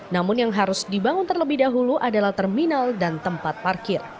namun yang harus dibangun terlebih dahulu adalah terminal dan tempat parkir